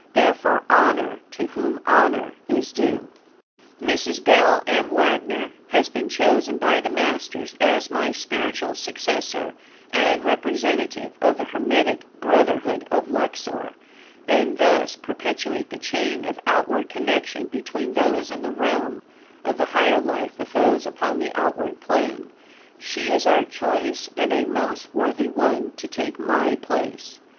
Therefore, honor to whom honor is due. Mrs. Belle M. Wagner has been chosen by the Masters as my spiritual successor and representative of the Hermetic Brotherhood of Luxor, and thus perpetuate the chain of outward connection between those in the realm of the higher life with those upon the outward plane. She is our choice, and a most worthy one to take my place.